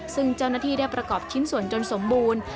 ซึ่งเจ้าหน้าที่ได้ประกอบชิ้นส่วนจนสมบูรณ์